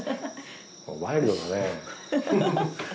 ワイルドだね。